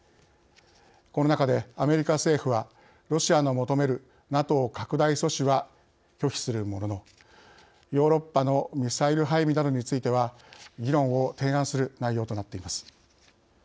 この中でアメリカ政府はロシアの求めるＮＡＴＯ拡大阻止は拒否するもののヨーロッパのミサイル配備などについては議論を提案する内容となっています。